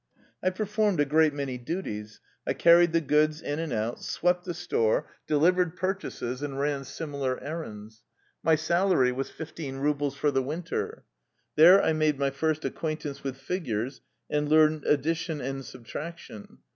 I performed a great many duties. I carried the goods in and out, swept the store, delivered purchases, and ran similar errands. My salary was fifteen rubles for the winter. There I made my first acquaintance with figures and learned addition and subtraction.